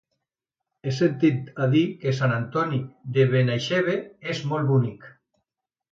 He sentit a dir que Sant Antoni de Benaixeve és molt bonic.